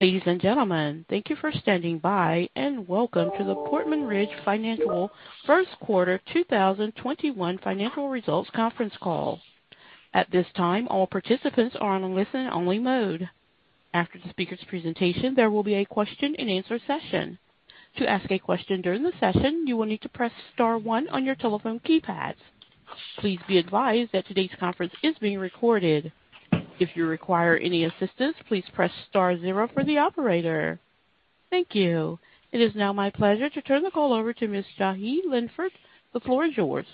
Ladies and gentlemen, thank you for standing by, and welcome to the Portman Ridge Finance First Quarter 2021 Financial Results Conference Call. At this time, all participants are on a listen-only mode. After the speaker's presentation, there will be a question-and-answer session. To ask a question during the session, you will need to press star one on your telephone keypad. Please be advised that today's conference is being recorded. If you require any assistance, please press star zero for the operator. Thank you. It is now my pleasure to turn the call over to Ms. Jahi Linford. The floor is yours.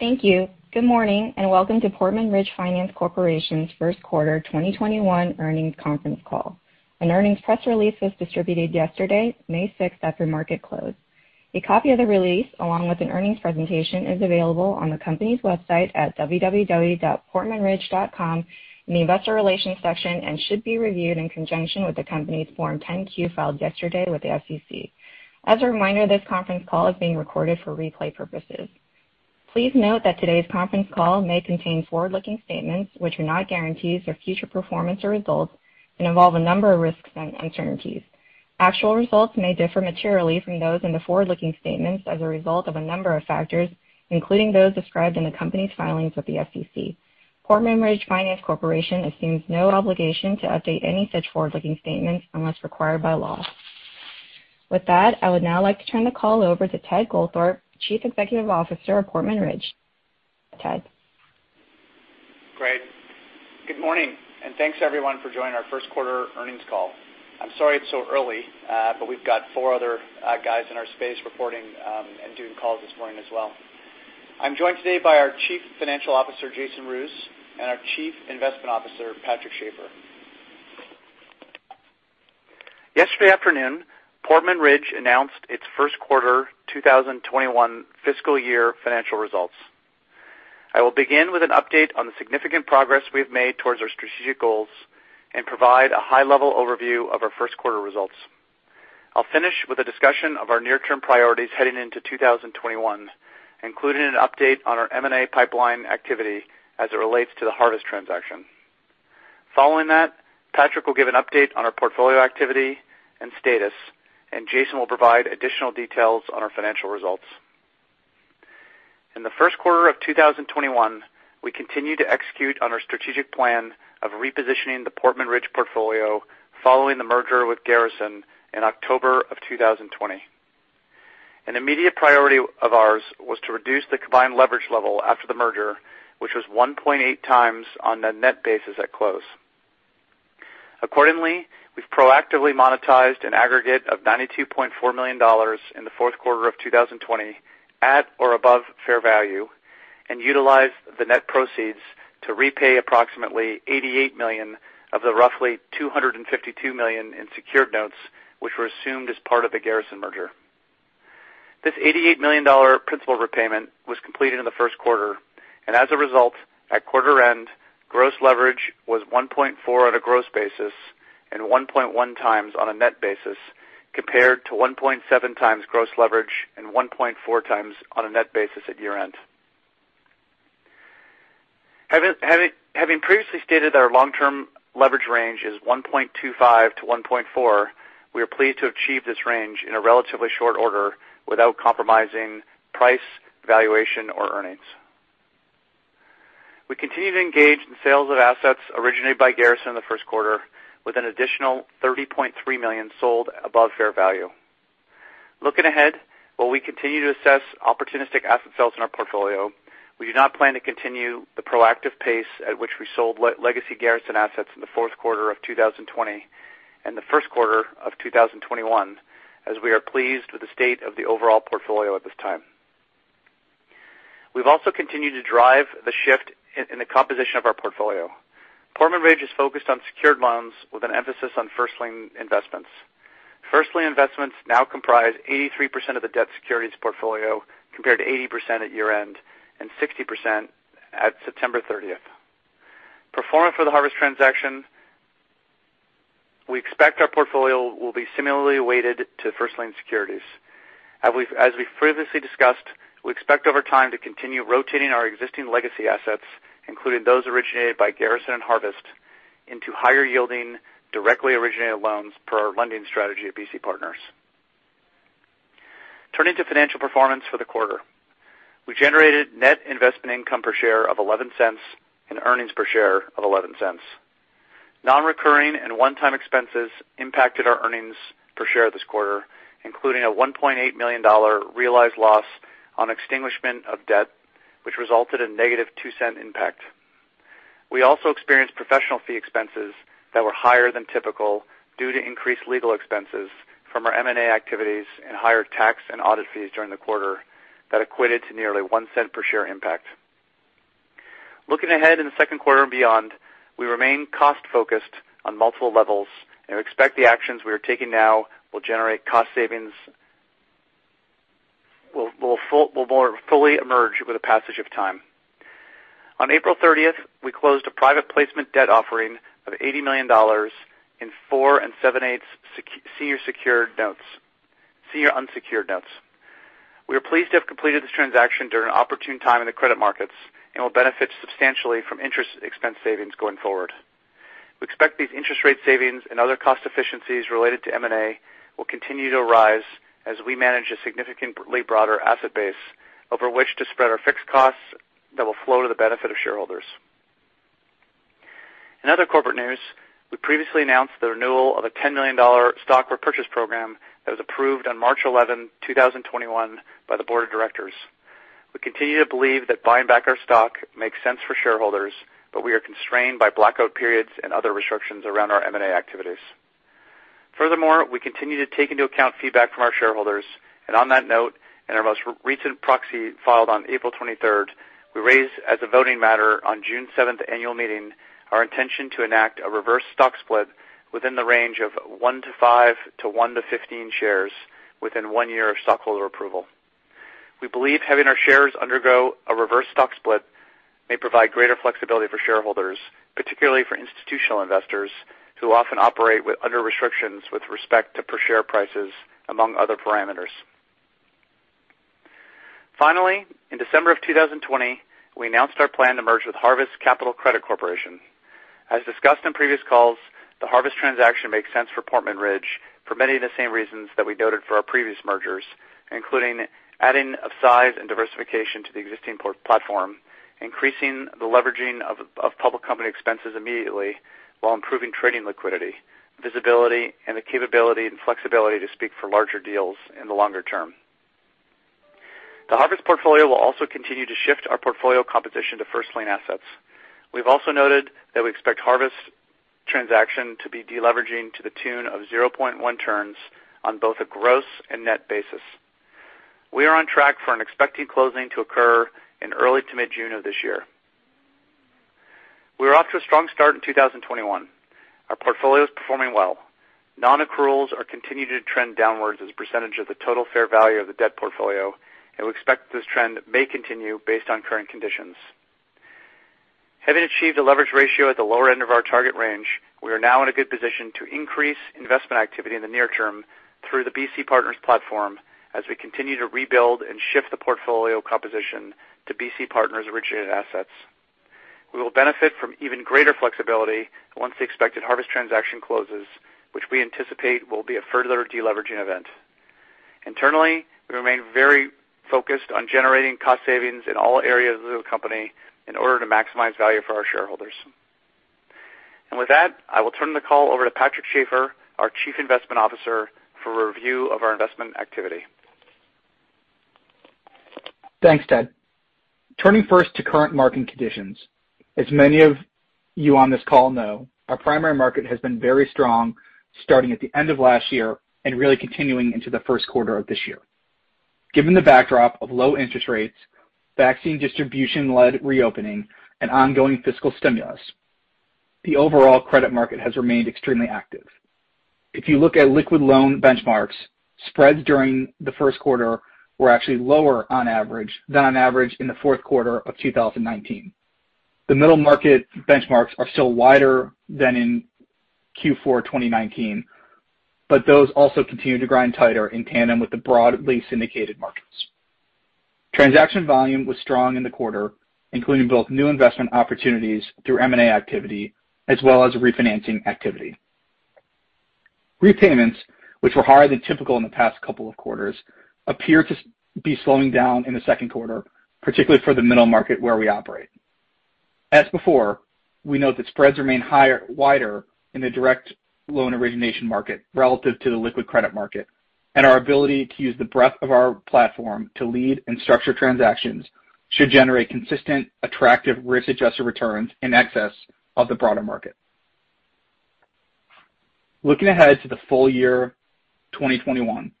Thank you. Good morning and welcome to Portman Ridge Finance Corporation's First Quarter 2021 Earnings Conference Call. An earnings press release was distributed yesterday, May 6th, after market close. A copy of the release, along with an earnings presentation, is available on the company's website at www.portmanridge.com in the investor relations section and should be reviewed in conjunction with the company's Form 10-Q filed yesterday with the SEC. As a reminder, this conference call is being recorded for replay purposes. Please note that today's conference call may contain forward-looking statements, which are not guarantees of future performance or results, and involve a number of risks and uncertainties. Actual results may differ materially from those in the forward-looking statements as a result of a number of factors, including those described in the company's filings with the SEC. Portman Ridge Finance Corporation assumes no obligation to update any such forward-looking statements unless required by law. With that, I would now like to turn the call over to Ted Goldthorpe, Chief Executive Officer of Portman Ridge. Ted. Great. Good morning and thanks, everyone, for joining our First Quarter Earnings Call. I'm sorry it's so early, but we've got four other guys in our space reporting and doing calls this morning as well. I'm joined today by our Chief Financial Officer, Jason Roos, and our Chief Investment Officer, Patrick Schaefer. Yesterday afternoon, Portman Ridge announced its First Quarter 2021 fiscal year financial results. I will begin with an update on the significant progress we have made towards our strategic goals and provide a high-level overview of our First Quarter results. I'll finish with a discussion of our near-term priorities heading into 2021, including an update on our M&A pipeline activity as it relates to the Harvest transaction. Following that, Patrick will give an update on our portfolio activity and status, and Jason will provide additional details on our financial results. In the first quarter of 2021, we continued to execute on our strategic plan of repositioning the Portman Ridge portfolio following the merger with Garrison in October of 2020. An immediate priority of ours was to reduce the combined leverage level after the merger, which was 1.8 times on a net basis at close. Accordingly, we've proactively monetized an aggregate of $92.4 million in the fourth quarter of 2020 at or above fair value and utilized the net proceeds to repay approximately $88 million of the roughly $252 million in secured notes, which were assumed as part of the Garrison merger. This $88 million principal repayment was completed in the first quarter, and as a result, at quarter end, gross leverage was 1.4 on a gross basis and 1.1 times on a net basis, compared to 1.7 times gross leverage and 1.4 times on a net basis at year end. Having previously stated that our long-term leverage range is 1.25 to 1.4, we are pleased to achieve this range in a relatively short order without compromising price, valuation, or earnings. We continue to engage in sales of assets originated by Garrison in the first quarter, with an additional $30.3 million sold above fair value. Looking ahead, while we continue to assess opportunistic asset sales in our portfolio, we do not plan to continue the proactive pace at which we sold legacy Garrison assets in the fourth quarter of 2020 and the first quarter of 2021, as we are pleased with the state of the overall portfolio at this time. We've also continued to drive the shift in the composition of our portfolio. Portman Ridge is focused on secured loans with an emphasis on first-lien investments. First-lien investments now comprise 83% of the debt securities portfolio, compared to 80% at year end and 60% at September 30th. Post-merger for the Harvest transaction, we expect our portfolio will be similarly weighted to first-lien securities. As we previously discussed, we expect over time to continue rotating our existing legacy assets, including those originated by Garrison and Harvest, into higher-yielding, directly originated loans per our lending strategy at BC Partners. Turning to financial performance for the quarter, we generated net investment income per share of $0.11 and earnings per share of $0.11. Non-recurring and one-time expenses impacted our earnings per share this quarter, including a $1.8 million realized loss on extinguishment of debt, which resulted in a negative $0.02 impact. We also experienced professional fee expenses that were higher than typical due to increased legal expenses from our M&A activities and higher tax and audit fees during the quarter that equated to nearly $0.01 per share impact. Looking ahead in the second quarter and beyond, we remain cost-focused on multiple levels, and we expect the actions we are taking now will generate cost savings that will fully emerge with the passage of time. On April 30th, we closed a private placement debt offering of $80 million in 4.875% senior unsecured notes. We are pleased to have completed this transaction during an opportune time in the credit markets and will benefit substantially from interest expense savings going forward. We expect these interest rate savings and other cost efficiencies related to M&A will continue to arise as we manage a significantly broader asset base over which to spread our fixed costs that will flow to the benefit of shareholders. In other corporate news, we previously announced the renewal of a $10 million stock purchase program that was approved on March 11, 2021, by the board of directors. We continue to believe that buying back our stock makes sense for shareholders, but we are constrained by blackout periods and other restrictions around our M&A activities. Furthermore, we continue to take into account feedback from our shareholders, and on that note, in our most recent proxy filed on April 23rd, we raised as a voting matter on June 7th annual meeting our intention to enact a reverse stock split within the range of one to five to one to fifteen shares within one year of stockholder approval. We believe having our shares undergo a reverse stock split may provide greater flexibility for shareholders, particularly for institutional investors who often operate under restrictions with respect to per share prices among other parameters. Finally, in December of 2020, we announced our plan to merge with Harvest Capital Credit Corporation. As discussed in previous calls, the Harvest transaction makes sense for Portman Ridge for many of the same reasons that we noted for our previous mergers, including adding of size and diversification to the existing platform, increasing the leveraging of public company expenses immediately while improving trading liquidity, visibility, and the capability and flexibility to speak for larger deals in the longer term. The Harvest portfolio will also continue to shift our portfolio composition to first-lien assets. We've also noted that we expect Harvest transaction to be deleveraging to the tune of 0.1 turns on both a gross and net basis. We are on track for an expected closing to occur in early to mid-June of this year. We were off to a strong start in 2021. Our portfolio is performing well. Non-accruals are continuing to trend downwards as a percentage of the total fair value of the debt portfolio, and we expect this trend may continue based on current conditions. Having achieved a leverage ratio at the lower end of our target range, we are now in a good position to increase investment activity in the near term through the BC Partners platform as we continue to rebuild and shift the portfolio composition to BC Partners-originated assets. We will benefit from even greater flexibility once the expected Harvest transaction closes, which we anticipate will be a further deleveraging event. Internally, we remain very focused on generating cost savings in all areas of the company in order to maximize value for our shareholders. And with that, I will turn the call over to Patrick Schaefer, our Chief Investment Officer, for a review of our investment activity. Thanks, Ted. Turning first to current market conditions. As many of you on this call know, our primary market has been very strong starting at the end of last year and really continuing into the first quarter of this year. Given the backdrop of low interest rates, vaccine distribution-led reopening, and ongoing fiscal stimulus, the overall credit market has remained extremely active. If you look at liquid loan benchmarks, spreads during the first quarter were actually lower on average than on average in the fourth quarter of 2019. The middle market benchmarks are still wider than in Q4 2019, but those also continue to grind tighter in tandem with the broadly syndicated markets. Transaction volume was strong in the quarter, including both new investment opportunities through M&A activity as well as refinancing activity. Repayments, which were higher than typical in the past couple of quarters, appear to be slowing down in the second quarter, particularly for the middle market where we operate. As before, we note that spreads remain wider in the direct loan origination market relative to the liquid credit market, and our ability to use the breadth of our platform to lead and structure transactions should generate consistent, attractive risk-adjusted returns in excess of the broader market. Looking ahead to the full year 2021,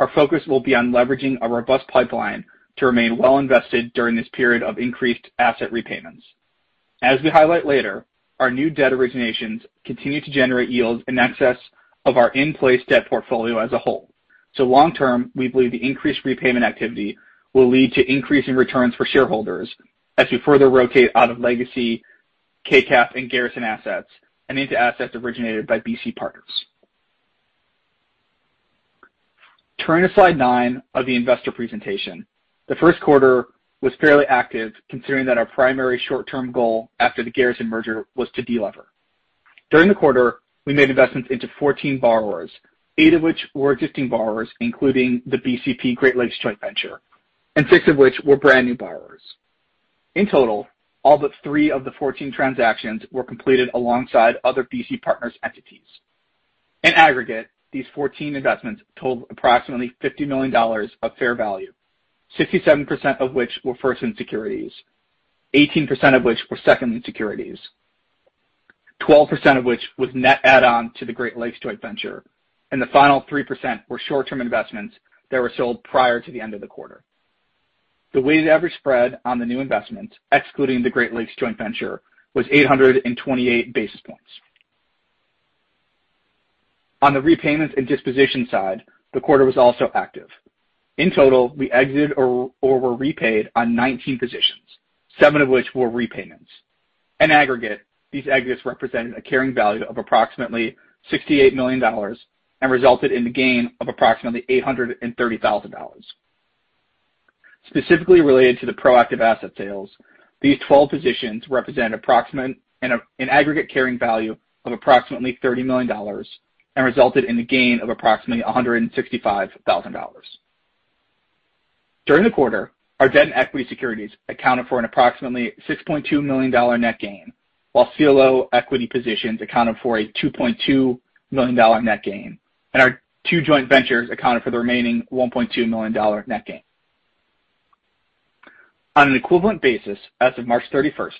our focus will be on leveraging a robust pipeline to remain well invested during this period of increased asset repayments. As we highlight later, our new debt originations continue to generate yields in excess of our in-place debt portfolio as a whole. So long term, we believe the increased repayment activity will lead to increasing returns for shareholders as we further rotate out of legacy KCAP and Garrison assets and into assets originated by BC Partners. Turning to slide nine of the investor presentation, the first quarter was fairly active considering that our primary short-term goal after the Garrison merger was to delever. During the quarter, we made investments into 14 borrowers, eight of which were existing borrowers, including the BCP Great Lakes Joint Venture, and six of which were brand new borrowers. In total, all but three of the 14 transactions were completed alongside other BC Partners entities. In aggregate, these 14 investments totaled approximately $50 million of fair value, 67% of which were first-lien securities, 18% of which were second-lien securities, 12% of which was net add-on to the Great Lakes Joint Venture, and the final 3% were short-term investments that were sold prior to the end of the quarter. The weighted average spread on the new investments, excluding the Great Lakes Joint Venture, was 828 basis points. On the repayments and disposition side, the quarter was also active. In total, we exited or were repaid on 19 positions, seven of which were repayments. In aggregate, these exits represented a carrying value of approximately $68 million and resulted in the gain of approximately $830,000. Specifically related to the proactive asset sales, these 12 positions represented an aggregate carrying value of approximately $30 million and resulted in the gain of approximately $165,000. During the quarter, our debt and equity securities accounted for an approximately $6.2 million net gain, while CLO equity positions accounted for a $2.2 million net gain, and our two joint ventures accounted for the remaining $1.2 million net gain. On an equivalent basis, as of March 31st,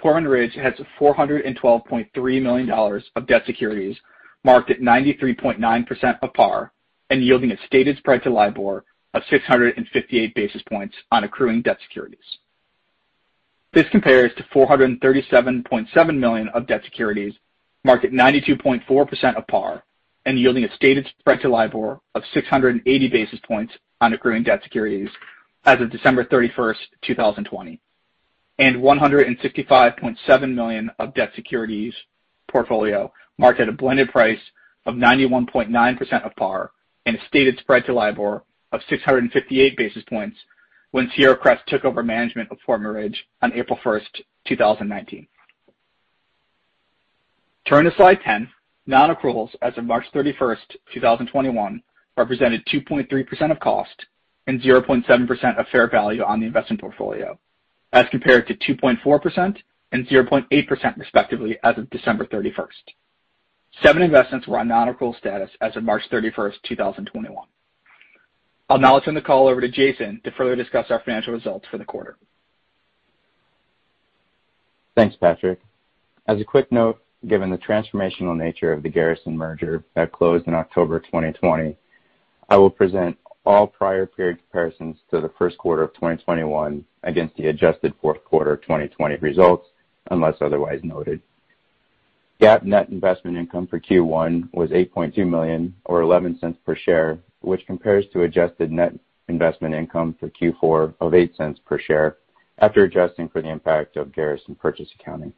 Portman Ridge has $412.3 million of debt securities marked at 93.9% of par and yielding a stated spread to LIBOR of 658 basis points on accruing debt securities. This compares to $437.7 million of debt securities marked at 92.4% of par and yielding a stated spread to LIBOR of 680 basis points on accruing debt securities as of December 31st, 2020, and $165.7 million of debt securities portfolio marked at a blended price of 91.9% of par and a stated spread to LIBOR of 658 basis points when BCP took over management of Portman Ridge on April 1st, 2019. Turning to slide 10, non-accruals as of March 31st, 2021, represented 2.3% of cost and 0.7% of fair value on the investment portfolio, as compared to 2.4% and 0.8%, respectively, as of December 31st. Seven investments were on non-accrual status as of March 31st, 2021. I'll now turn the call over to Jason to further discuss our financial results for the quarter. Thanks, Patrick. As a quick note, given the transformational nature of the Garrison merger that closed in October 2020, I will present all prior period comparisons to the first quarter of 2021 against the adjusted fourth quarter of 2020 results, unless otherwise noted. GAAP net investment income for Q1 was $8.2 million, or $0.11 per share, which compares to adjusted net investment income for Q4 of $0.08 per share after adjusting for the impact of Garrison purchase accounting.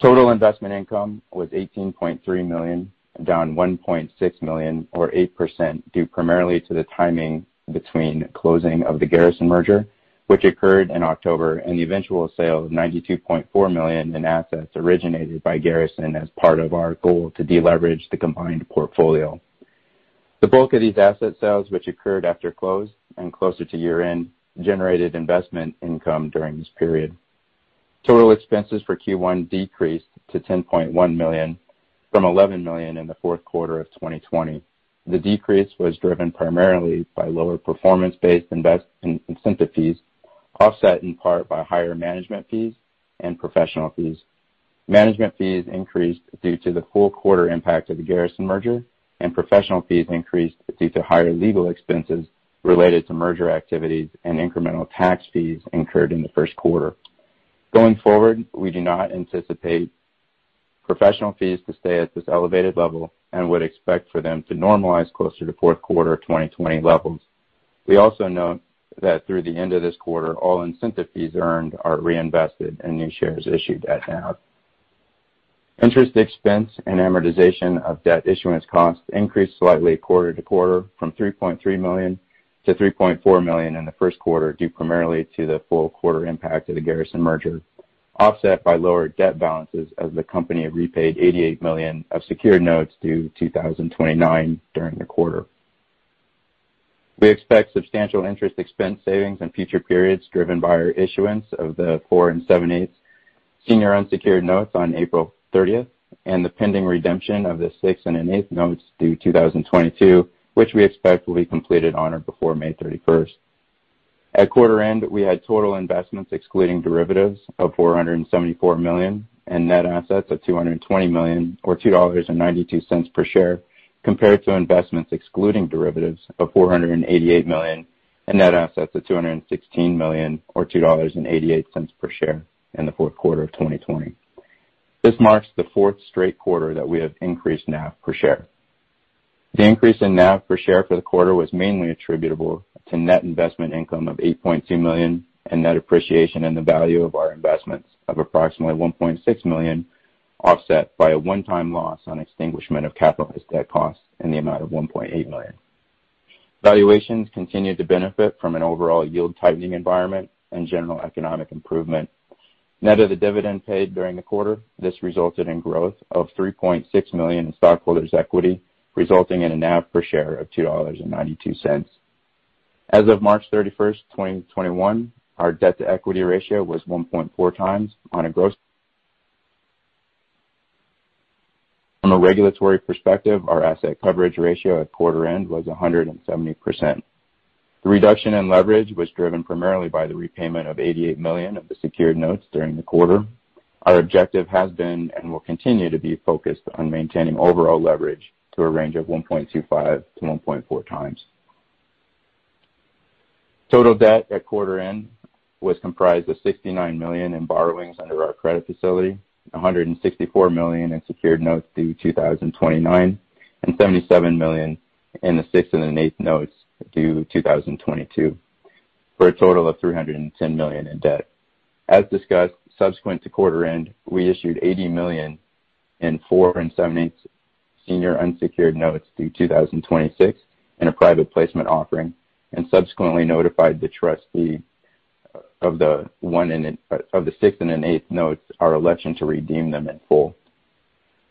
Total investment income was $18.3 million, down $1.6 million, or 8%, due primarily to the timing between closing of the Garrison merger, which occurred in October, and the eventual sale of $92.4 million in assets originated by Garrison as part of our goal to deleverage the combined portfolio. The bulk of these asset sales, which occurred after close and closer to year-end, generated investment income during this period. Total expenses for Q1 decreased to $10.1 million from $11 million in the fourth quarter of 2020. The decrease was driven primarily by lower performance-based incentive fees, offset in part by higher management fees and professional fees. Management fees increased due to the full quarter impact of the Garrison merger, and professional fees increased due to higher legal expenses related to merger activities and incremental tax fees incurred in the first quarter. Going forward, we do not anticipate professional fees to stay at this elevated level and would expect for them to normalize closer to fourth quarter 2020 levels. We also note that through the end of this quarter, all incentive fees earned are reinvested and new shares issued at NAV. Interest expense and amortization of debt issuance costs increased slightly quarter to quarter from $3.3 million to $3.4 million in the first quarter due primarily to the full quarter impact of the Garrison merger, offset by lower debt balances as the company repaid $88 million of secured notes due in 2029 during the quarter. We expect substantial interest expense savings in future periods driven by our issuance of the four and seven-eighths senior unsecured notes on April 30th and the pending redemption of the six and an eighth notes due in 2022, which we expect will be completed on or before May 31st. At quarter end, we had total investments excluding derivatives of $474 million and net assets of $220 million, or $2.92 per share, compared to investments excluding derivatives of $488 million and net assets of $216 million, or $2.88 per share in the fourth quarter of 2020. This marks the fourth straight quarter that we have increased NAV per share. The increase in NAV per share for the quarter was mainly attributable to net investment income of $8.2 million and net appreciation in the value of our investments of approximately $1.6 million, offset by a one-time loss on extinguishment of capitalized debt costs in the amount of $1.8 million. Valuations continued to benefit from an overall yield-tightening environment and general economic improvement. Net of the dividend paid during the quarter, this resulted in growth of $3.6 million in stockholders' equity, resulting in a NAV per share of $2.92. As of March 31st, 2021, our debt-to-equity ratio was 1.4 times on a gross. From a regulatory perspective, our asset coverage ratio at quarter end was 170%. The reduction in leverage was driven primarily by the repayment of $88 million of the secured notes during the quarter. Our objective has been and will continue to be focused on maintaining overall leverage to a range of 1.25 to 1.4 times. Total debt at quarter end was comprised of $69 million in borrowings under our credit facility, $164 million in secured notes due in 2029, and $77 million in the six and an eighth notes due in 2022, for a total of $310 million in debt. As discussed, subsequent to quarter end, we issued $80 million in four and seven-eighths senior unsecured notes due in 2026 in a private placement offering and subsequently notified the trustee of the six and an eighth notes our election to redeem them in full.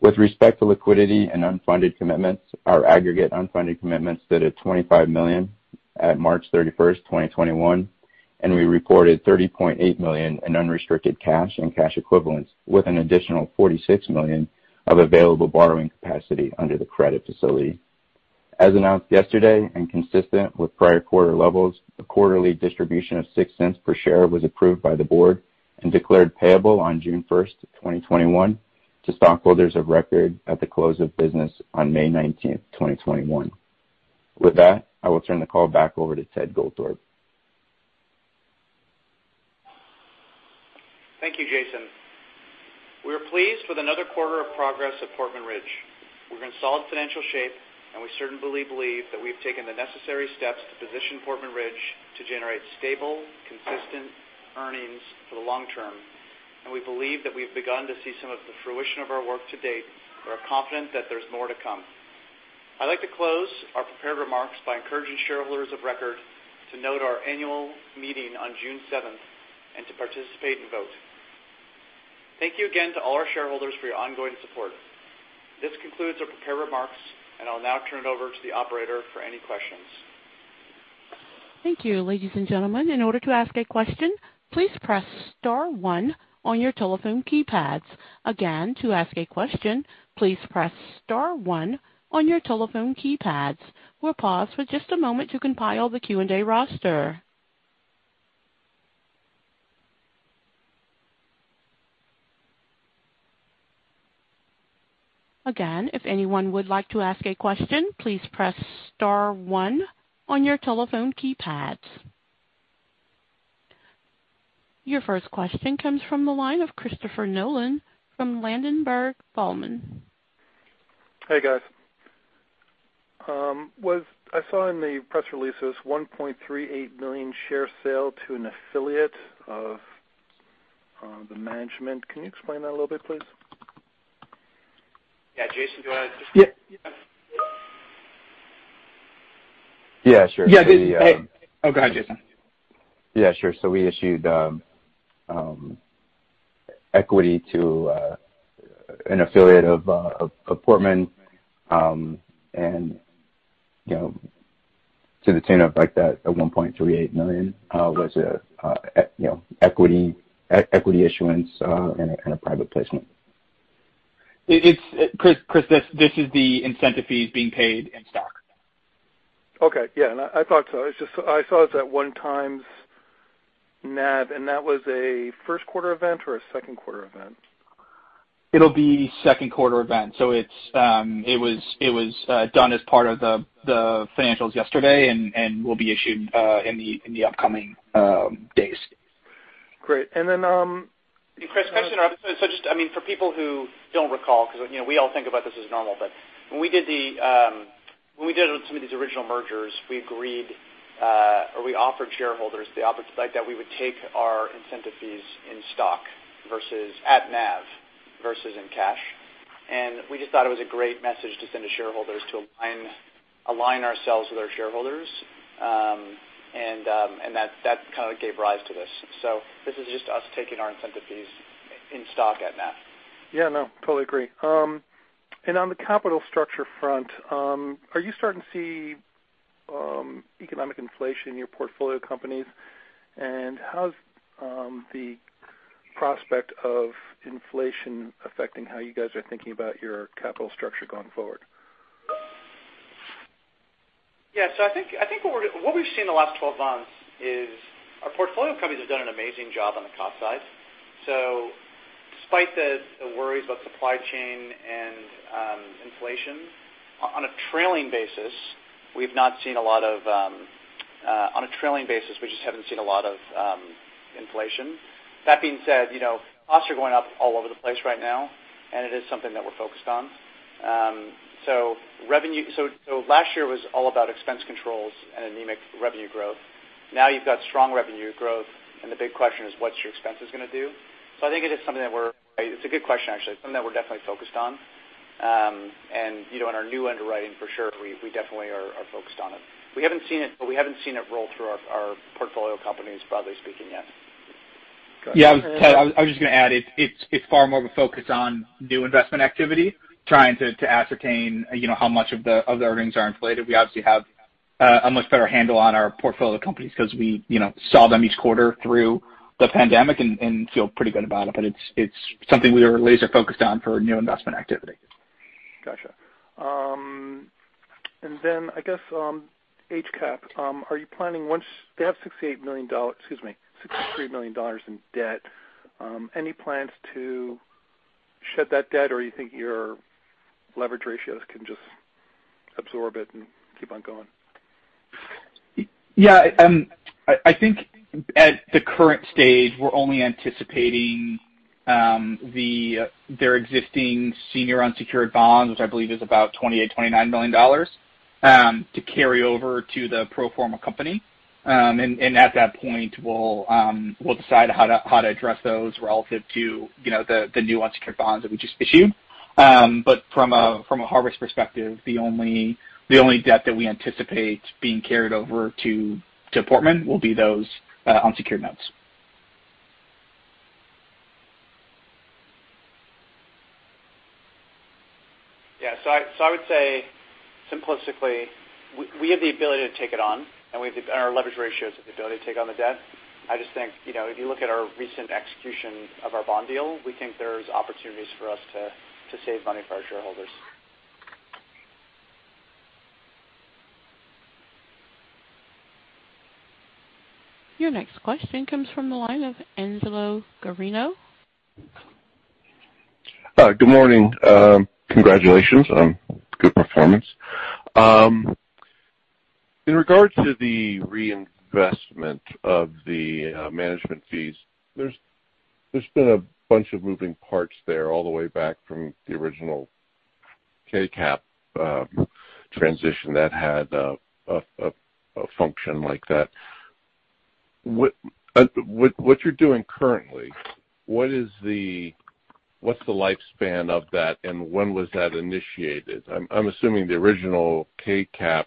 With respect to liquidity and unfunded commitments, our aggregate unfunded commitments stood at $25 million at March 31st, 2021, and we reported $30.8 million in unrestricted cash and cash equivalents, with an additional $46 million of available borrowing capacity under the credit facility. As announced yesterday and consistent with prior quarter levels, a quarterly distribution of $0.06 per share was approved by the board and declared payable on June 1st, 2021, to stockholders of record at the close of business on May 19th, 2021. With that, I will turn the call back over to Ted Goldthorpe. Thank you, Jason. We are pleased with another quarter of progress at Portman Ridge. We're in solid financial shape, and we certainly believe that we have taken the necessary steps to position Portman Ridge to generate stable, consistent earnings for the long term, and we believe that we've begun to see some of the fruition of our work to date, and we're confident that there's more to come. I'd like to close our prepared remarks by encouraging shareholders of record to note our annual meeting on June 7th and to participate and vote. Thank you again to all our shareholders for your ongoing support. This concludes our prepared remarks, and I'll now turn it over to the operator for any questions. Thank you, ladies and gentlemen. In order to ask a question, please press star one on your telephone keypads. Again, to ask a question, please press star one on your telephone keypads. We'll pause for just a moment to compile the Q&A roster. Again, if anyone would like to ask a question, please press star one on your telephone keypads. Your first question comes from the line of Christopher Nolan from Ladenburg Thalmann. Hey, guys. I saw in the press release this $1.38 million share sale to an affiliate of the management. Can you explain that a little bit, please? Yeah. Jason, do you want to just? Yeah. Yeah. Sure. Oh, go ahead, Jason. Yeah. Sure. So we issued equity to an affiliate of Portman to the tune of like that, the $1.38 million was an equity issuance and a private placement. Chris, this is the incentive fees being paid in stock. Okay. Yeah, and I thought so. I saw it as at one times NAV, and that was a first quarter event or a second quarter event? It'll be second quarter event. So it was done as part of the financials yesterday and will be issued in the upcoming days. Great. And then. Chris, can I just interrupt? I mean, for people who don't recall, because we all think about this as normal, but when we did some of these original mergers, we agreed or we offered shareholders the opportunity that we would take our incentive fees in stock versus at NAV versus in cash, and we just thought it was a great message to send to shareholders to align ourselves with our shareholders, and that kind of gave rise to this, so this is just us taking our incentive fees in stock at NAV. Yeah. No, totally agree, and on the capital structure front, are you starting to see economic inflation in your portfolio companies, and how's the prospect of inflation affecting how you guys are thinking about your capital structure going forward? Yeah. So I think what we've seen the last 12 months is our portfolio companies have done an amazing job on the cost side. So despite the worries about supply chain and inflation, on a trailing basis, we just haven't seen a lot of inflation. That being said, costs are going up all over the place right now, and it is something that we're focused on. So last year was all about expense controls and anemic revenue growth. Now you've got strong revenue growth, and the big question is, what's your expenses going to do? So I think it is something that we're. It's a good question, actually. It's something that we're definitely focused on. And in our new underwriting, for sure, we definitely are focused on it. We haven't seen it, but we haven't seen it roll through our portfolio companies, broadly speaking, yet. Yeah. I was just going to add, it's far more of a focus on new investment activity, trying to ascertain how much of the earnings are inflated. We obviously have a much better handle on our portfolio companies because we saw them each quarter through the pandemic and feel pretty good about it. It's something we are laser-focused on for new investment activity. Gotcha. And then, I guess, HCAP, are you planning once they have $68 million, excuse me, $63 million in debt, any plans to shed that debt, or do you think your leverage ratios can just absorb it and keep on going? Yeah. I think at the current stage, we're only anticipating their existing senior unsecured bonds, which I believe is about $28-$29 million, to carry over to the pro forma company, and at that point, we'll decide how to address those relative to the new unsecured bonds that we just issued. But from a Harvest perspective, the only debt that we anticipate being carried over to Portman will be those unsecured notes. Yeah, so I would say, simplistically, we have the ability to take it on, and our leverage ratio has the ability to take on the debt. I just think if you look at our recent execution of our bond deal, we think there's opportunities for us to save money for our shareholders. Your next question comes from the line of Angelo Giardino. Good morning. Congratulations on good performance. In regards to the reinvestment of the management fees, there's been a bunch of moving parts there all the way back from the original KCAP transition that had a function like that. What you're doing currently, what's the lifespan of that, and when was that initiated? I'm assuming the original KCAP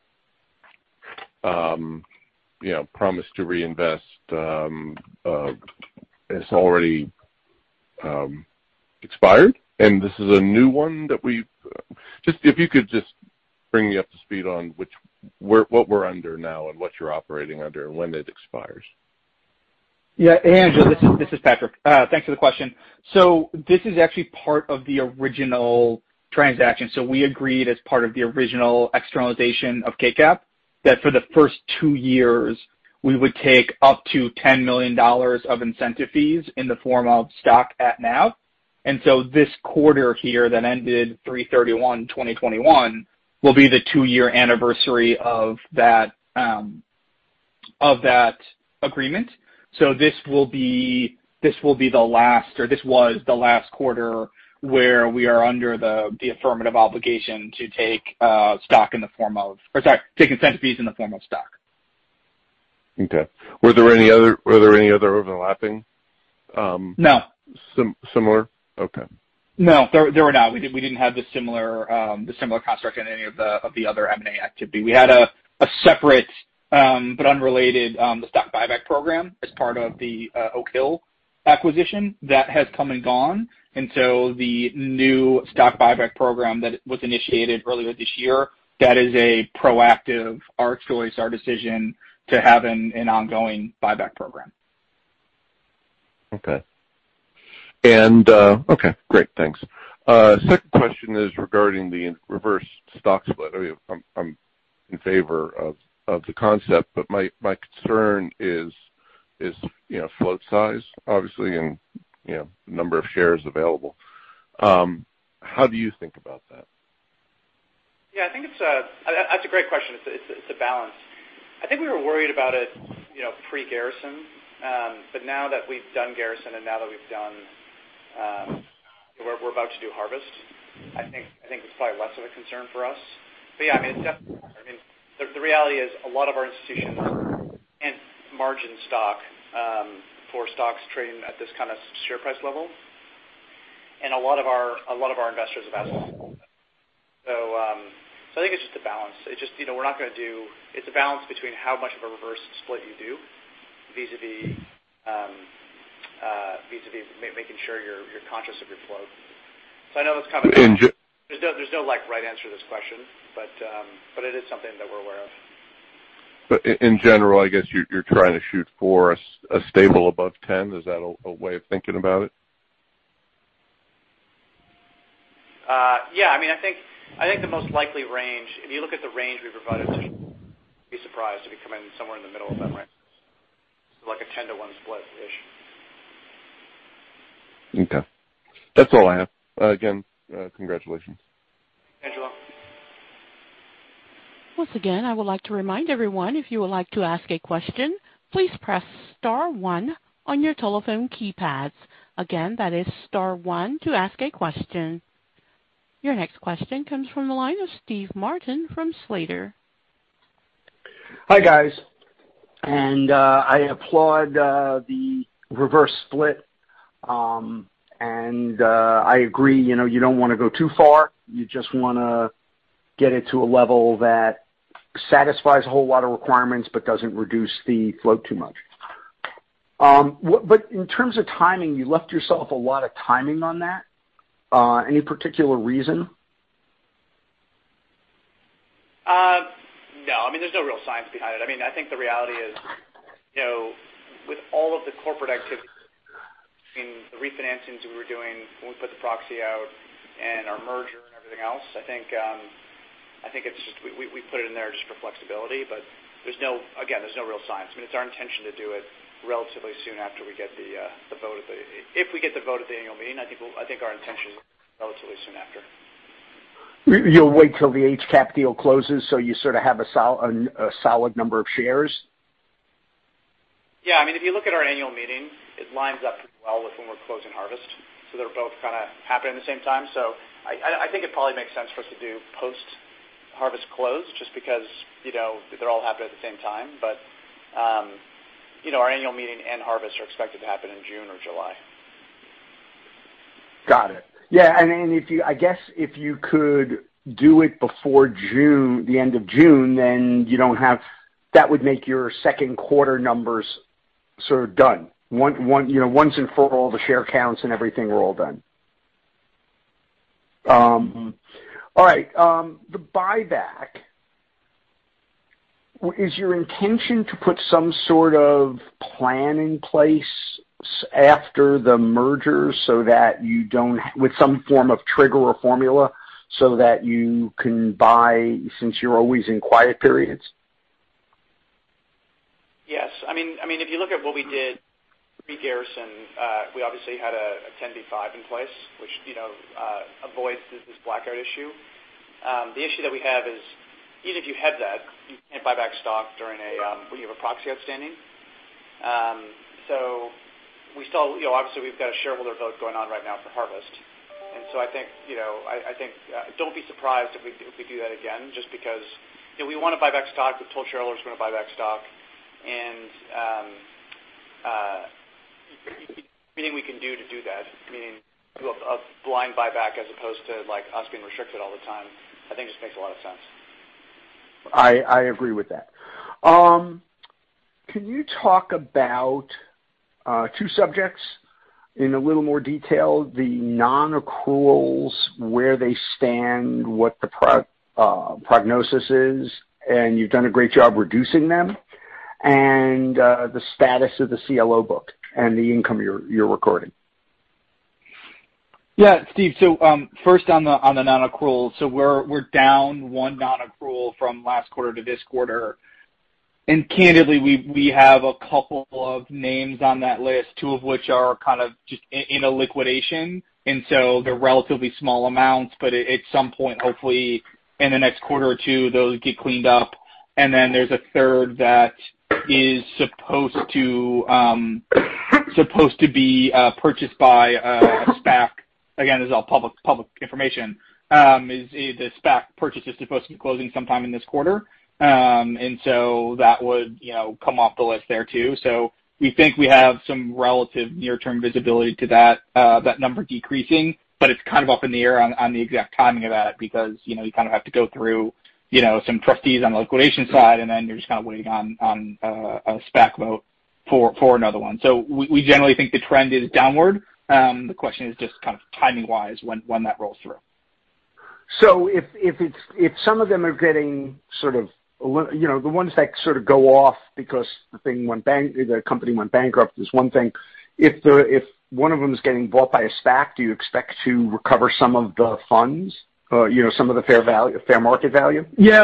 promise to reinvest has already expired, and this is a new one that we've just if you could just bring me up to speed on what we're under now and what you're operating under and when it expires. Yeah. Hey, Angel. This is Patrick. Thanks for the question. So this is actually part of the original transaction. So we agreed as part of the original externalization of KCAP that for the first two years, we would take up to $10 million of incentive fees in the form of stock at NAV. And so this quarter here that ended 3/31/2021 will be the two-year anniversary of that agreement. So this will be the last or this was the last quarter where we are under the affirmative obligation to take stock in the form of or sorry, take incentive fees in the form of stock. Okay. Were there any other overlapping? No. Similar? Okay. No. There were not. We didn't have the similar construct in any of the other M&A activity. We had a separate but unrelated stock buyback program as part of the Oak Hill acquisition that has come and gone. And so the new stock buyback program that was initiated earlier this year, that is a proactive our choice, our decision to have an ongoing buyback program. Okay. Great. Thanks. Second question is regarding the reverse stock split. I mean, I'm in favor of the concept, but my concern is float size, obviously, and number of shares available. How do you think about that? Yeah. I think it's a great question. It's a balance. I think we were worried about it pre-Garrison, but now that we've done Garrison and now that we're about to do Harvest, I think it's probably less of a concern for us. But yeah, I mean, it's definitely I mean, the reality is a lot of our institutions and margin stock for stocks trading at this kind of share price level, and a lot of our investors have asked us to do that. So I think it's just a balance. It's just we're not going to do. It's a balance between how much of a reverse split you do vis-à-vis making sure you're conscious of your float. So I know that's kind of. There's no right answer to this question, but it is something that we're aware of. But in general, I guess you're trying to shoot for a stable above 10? Is that a way of thinking about it? Yeah. I mean, I think the most likely range if you look at the range we've provided to you, you'd be surprised to be coming somewhere in the middle of that range. So like a 10 to 1 split-ish. Okay. That's all I have. Again, congratulations. Thank you. Once again, I would like to remind everyone, if you would like to ask a question, please press star one on your telephone keypads. Again, that is star one to ask a question. Your next question comes from the line of Steve Martin from Slater. Hi, guys. And I applaud the reverse split, and I agree you don't want to go too far. You just want to get it to a level that satisfies a whole lot of requirements but doesn't reduce the float too much. But in terms of timing, you left yourself a lot of timing on that. Any particular reason? No. I mean, there's no real science behind it. I mean, I think the reality is with all of the corporate activity, I mean, the refinancings we were doing when we put the proxy out and our merger and everything else, I think it's just we put it in there just for flexibility. But again, there's no real science. I mean, it's our intention to do it relatively soon after we get the vote at the annual meeting, if we get the vote at the annual meeting. I think our intention is relatively soon after. You'll wait till the HCAP deal closes so you sort of have a solid number of shares? Yeah. I mean, if you look at our annual meeting, it lines up pretty well with when we're closing Harvest. So they're both kind of happening at the same time. So I think it probably makes sense for us to do post-Harvest close just because they're all happening at the same time. But our annual meeting and Harvest are expected to happen in June or July. Got it. Yeah. And I guess if you could do it before June, the end of June, then you don't have that would make your second quarter numbers sort of done. Once and for all, the share counts and everything are all done. All right. The buyback, is your intention to put some sort of plan in place after the merger so that you don't with some form of trigger or formula so that you can buy since you're always in quiet periods? Yes. I mean, if you look at what we did pre-Garrison, we obviously had a 10b-5 in place, which avoids this blackout issue. The issue that we have is even if you have that, you can't buy back stock during a when you have a proxy outstanding. So obviously, we've got a shareholder vote going on right now for Harvest. And so I think don't be surprised if we do that again just because we want to buy back stock. We've told shareholders we're going to buy back stock. And anything we can do to do that, meaning do a blind buyback as opposed to us being restricted all the time, I think just makes a lot of sense. I agree with that. Can you talk about two subjects in a little more detail? The non-accruals, where they stand, what the prognosis is, and you've done a great job reducing them, and the status of the CLO book and the income you're recording? Yeah. Steve, so first on the non-accruals, so we're down one non-accrual from last quarter to this quarter. And candidly, we have a couple of names on that list, two of which are kind of just in a liquidation. And so they're relatively small amounts, but at some point, hopefully, in the next quarter or two, those get cleaned up. And then there's a third that is supposed to be purchased by SPAC. Again, this is all public information. The SPAC purchase is supposed to be closing sometime in this quarter. And so that would come off the list there too. So we think we have some relative near-term visibility to that number decreasing, but it's kind of up in the air on the exact timing of that because you kind of have to go through some trustees on the liquidation side, and then you're just kind of waiting on a SPAC vote for another one. So we generally think the trend is downward. The question is just kind of timing-wise when that rolls through. So if some of them are getting sort of the ones that sort of go off because the company went bankrupt is one thing. If one of them is getting bought by a SPAC, do you expect to recover some of the funds, some of the fair market value? Yeah.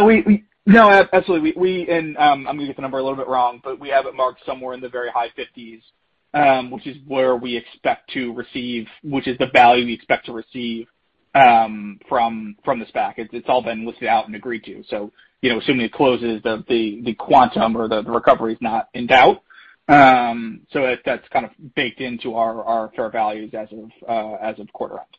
No, absolutely. And I'm going to get the number a little bit wrong, but we have it marked somewhere in the very high 50s, which is where we expect to receive, which is the value we expect to receive from the SPAC. It's all been listed out and agreed to. So assuming it closes, the quantum or the recovery is not in doubt. So that's kind of baked into our fair values as of quarter. So trying to say, yes, we expect to receive.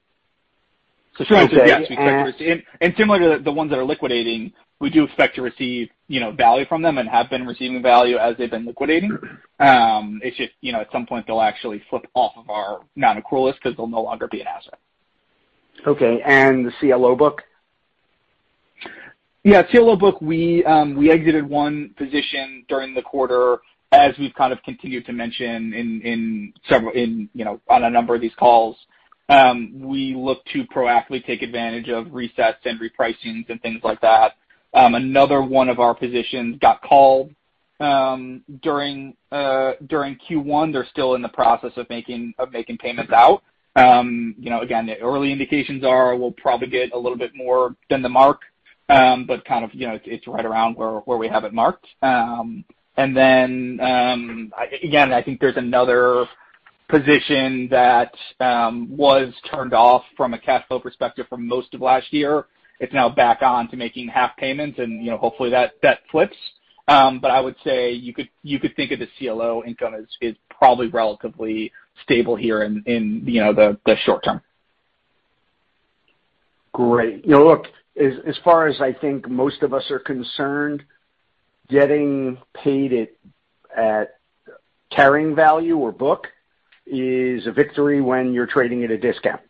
And similar to the ones that are liquidating, we do expect to receive value from them and have been receiving value as they've been liquidating. It's just at some point, they'll actually slip off of our non-accrual list because they'll no longer be an asset. Okay. And the CLO book? Yeah. CLO book, we exited one position during the quarter. As we've kind of continued to mention on a number of these calls, we look to proactively take advantage of resets and repricings and things like that. Another one of our positions got called during Q1. They're still in the process of making payments out. Again, the early indications are we'll probably get a little bit more than the mark, but kind of it's right around where we have it marked. And then, again, I think there's another position that was turned off from a cash flow perspective for most of last year. It's now back on to making half payments, and hopefully, that flips. But I would say you could think of the CLO income as probably relatively stable here in the short term. Great. Look, as far as I think most of us are concerned, getting paid at carrying value or book is a victory when you're trading at a discount.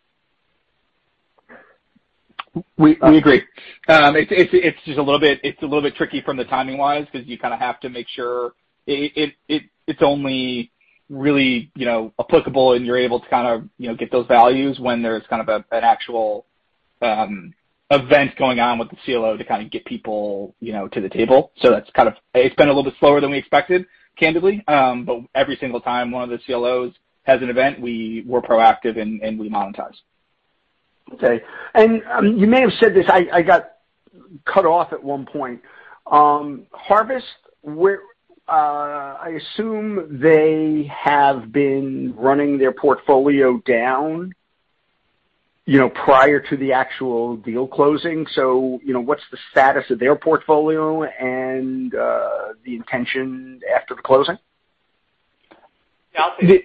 We agree. It's just a little bit tricky from the timing-wise because you kind of have to make sure it's only really applicable and you're able to kind of get those values when there's kind of an actual event going on with the CLO to kind of get people to the table. So it's been a little bit slower than we expected, candidly. But every single time one of the CLOs has an event, we're proactive and we monetize. Okay. And you may have said this. I got cut off at one point. Harvest, I assume they have been running their portfolio down prior to the actual deal closing. So what's the status of their portfolio and the intention after the closing? Yeah.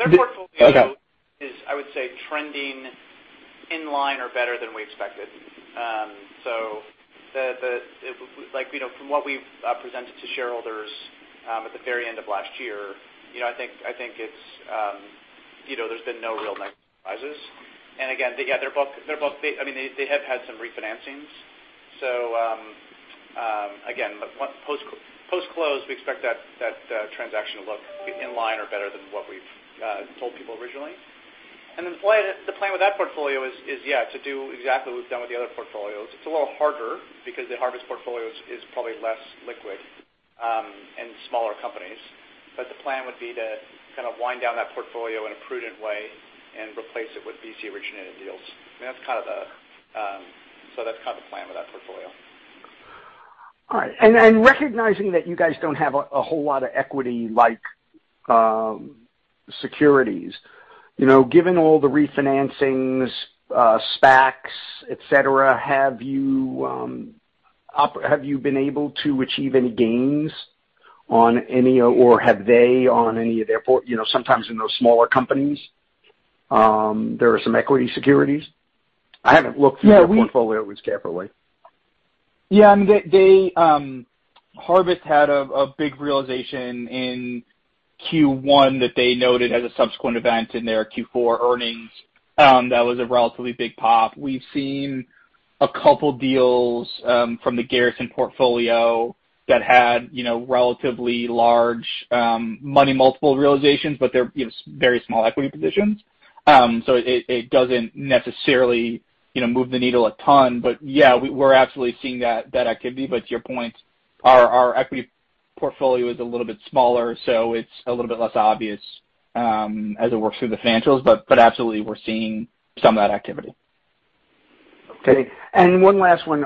Their portfolio closing is, I would say, trending in line or better than we expected. So from what we've presented to shareholders at the very end of last year, I think there's been no real negative surprises. And again, yeah, they're both. I mean, they have had some refinancings. So again, post-close, we expect that transaction to look in line or better than what we've told people originally. And then the plan with that portfolio is, yeah, to do exactly what we've done with the other portfolios. It's a little harder because the Harvest portfolio is probably less liquid and smaller companies. But the plan would be to kind of wind down that portfolio in a prudent way and replace it with BC originated deals. I mean, that's kind of the plan with that portfolio. All right. And recognizing that you guys don't have a whole lot of equity-like securities, given all the refinancings, SPACs, etc., have you been able to achieve any gains on any, or have they on any of theirs? Sometimes in those smaller companies, there are some equity securities. I haven't looked through their portfolio as carefully. Yeah. I mean, Harvest had a big realization in Q1 that they noted as a subsequent event in their Q4 earnings. That was a relatively big pop. We've seen a couple of deals from the Garrison portfolio that had relatively large money multiple realizations, but they're very small equity positions. So it doesn't necessarily move the needle a ton, but yeah, we're absolutely seeing that activity, but to your point, our equity portfolio is a little bit smaller, so it's a little bit less obvious as it works through the financials, but absolutely, we're seeing some of that activity. Okay. And one last one.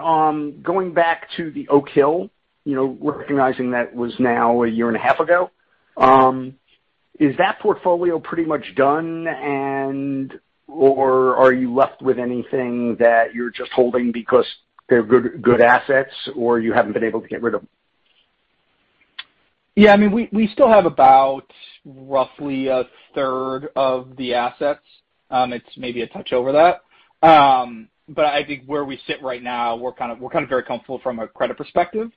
Going back to the Oak Hill, recognizing that was now a year and a half ago, is that portfolio pretty much done, or are you left with anything that you're just holding because they're good assets, or you haven't been able to get rid of them? Yeah. I mean, we still have about roughly a third of the assets. It's maybe a touch over that. But I think where we sit right now, we're kind of very comfortable from a credit perspective.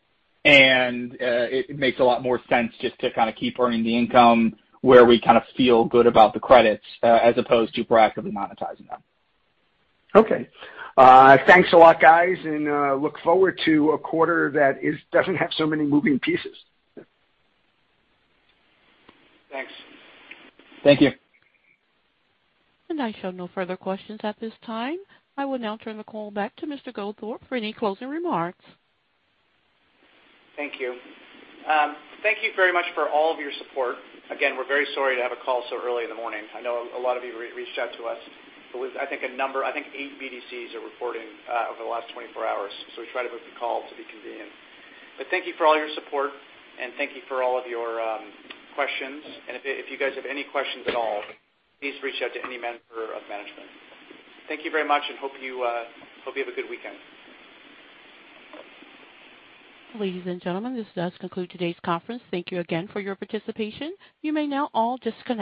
And it makes a lot more sense just to kind of keep earning the income where we kind of feel good about the credits as opposed to proactively monetizing them. Okay. Thanks a lot, guys. And look forward to a quarter that doesn't have so many moving pieces. Thanks. Thank you. I show no further questions at this time. I will now turn the call back to Mr. Goldthorpe for any closing remarks. Thank you. Thank you very much for all of your support. Again, we're very sorry to have a call so early in the morning. I know a lot of you reached out to us. I think eight BDCs are reporting over the last 24 hours. So we tried to make the call to be convenient. But thank you for all your support, and thank you for all of your questions, and if you guys have any questions at all, please reach out to any member of management. Thank you very much, and hope you have a good weekend. Ladies and gentlemen, this does conclude today's conference. Thank you again for your participation. You may now all just.